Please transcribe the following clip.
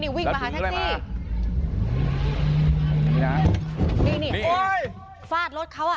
นี่นี่ฟาดรถเขาอ่ะ